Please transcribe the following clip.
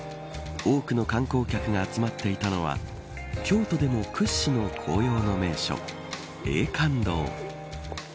多くの観光客が集まっていたのは京都での屈指の紅葉の名所永観堂。